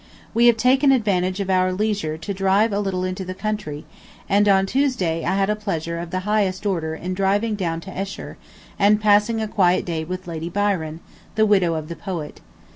... We have taken advantage of our leisure to drive a little into the country, and on Tuesday I had a pleasure of the highest order in driving down to Esher and passing a quiet day with Lady Byron, the widow of the poet.